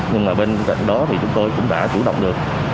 nhưng mà bên cạnh đó thì chúng tôi cũng đã chủ động được